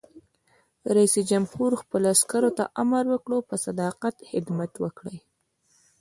رئیس جمهور خپلو عسکرو ته امر وکړ؛ په صداقت خدمت وکړئ!